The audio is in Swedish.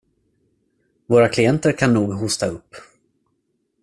Våra klienter kan nog hosta upp.